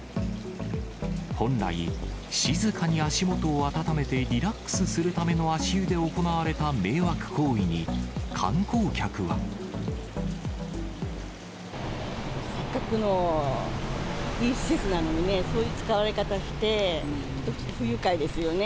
本来、静かに足元を温めてリラックスするための足湯で行われた迷惑行為せっかくのいい施設なのにね、そういう使われ方して、ちょっと不愉快ですよね。